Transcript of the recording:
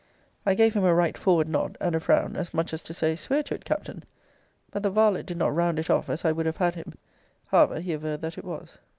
I gave him a right forward nod, and a frown as much as to say, swear to it, Captain. But the varlet did not round it off as I would have had him. However, he averred that it was.